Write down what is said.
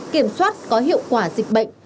kiểm soát có hiệu quả dịch bệnh